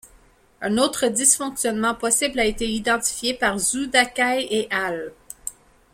Un autre dysfonctionnement possible a été identifié par Zhu Dakai et al.